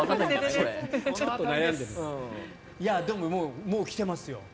でも、もう来てますよ。